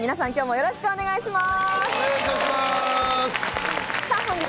よろしくお願いします。